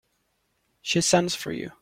She sends for you.